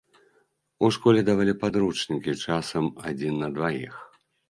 У школе давалі падручнікі, часам, адзін на дваіх.